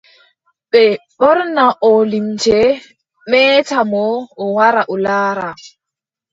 Ɓe ɓorna oo limce, meeta mo, o wara o laara.